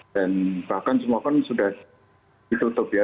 dan bahkan semua kan sudah ditutup ya